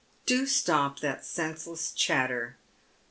" Do stop that senseless chatter.